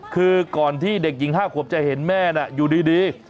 คือก่อนที่เด็กหญิง๕ขวบจะเห็นแม่น่ะอยู่ดี